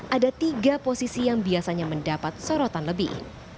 ada tiga posisi yang biasanya mendapat sorotan lebih